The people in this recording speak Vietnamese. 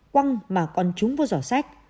quăng mà còn trúng vô giỏ sách